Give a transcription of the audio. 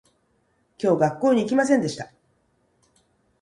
今日学校に行きませんでした